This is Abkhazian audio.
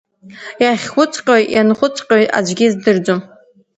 Иахьхәыҵҟьои, ианхәыҵҟьои аӡәгьы издырӡом.